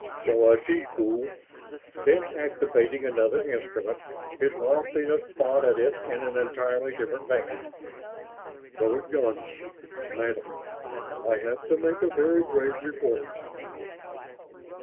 "So I see, fool." Then, activating another instrument, His Loftiness thought at it, in an entirely different vein, "Lord Ynos, Madam? I have to make a very grave report...."